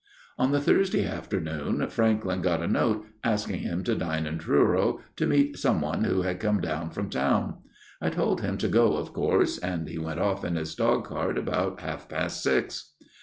" On the Thursday afternoon Franklyn got a note asking him to dine in Truro, to meet some one who had come down from town. I told him to go, of course, and he went off in his dog cart about half past six.